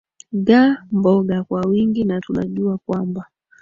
ga mboga kwa wingi na tunajua kwamba